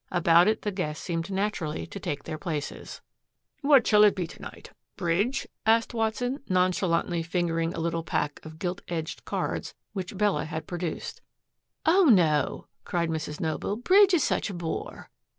About it the guests seemed naturally to take their places. "What shall it be to night bridge?" asked Watson, nonchalantly fingering a little pack of gilt edged cards which Bella had produced. "Oh, no," cried Mrs. Noble. "Bridge is such a bore."